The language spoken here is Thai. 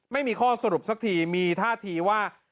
ไม่มีข้อสรุปสักทีมีท่าทีว่า